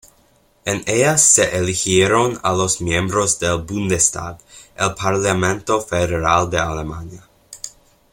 En ellas, se eligieron a los miembros del "Bundestag", el parlamento federal de Alemania.